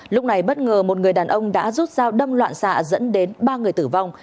lúc này bất ngờ một người đàn ông đã rút dao đâm loạn xạ dẫn đến ba người tử vong